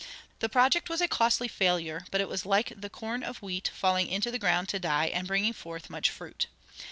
The project was a costly failure; but it was like the corn of wheat falling into the ground to die, and bringing forth much fruit.